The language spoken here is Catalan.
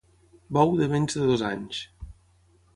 Bou de menys de dos anys.